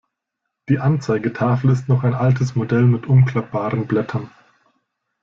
Die Anzeigetafel ist noch ein altes Modell mit umklappbaren Blättern.